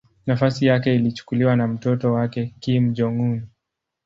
Nafasi yake ilichukuliwa na mtoto wake Kim Jong-un.